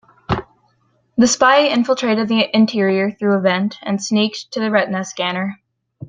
The spy infiltrated the interior through a vent and sneaked to the retina scanner.